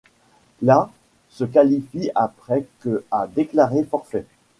La se qualifie après que a déclaré forfait.